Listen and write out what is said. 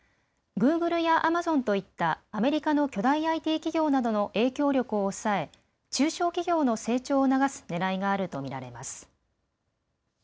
グーグルやアマゾンといったアメリカの巨大ＩＴ企業などの影響力を抑え、中小企業の成長を促すねらいがあると見られます。